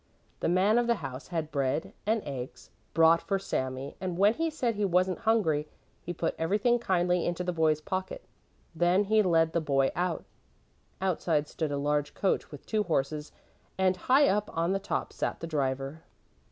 The man of the house had bread and eggs brought for Sami and when he said he wasn't hungry, he put everything kindly into the boy's pocket. Then he led the boy out. Outside stood a large coach with two horses and high up on the top sat the driver.